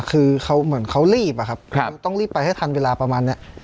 คือเขาเหมือนเขารีบอะครับต้องรีบไปให้ทันเวลาประมาณนี้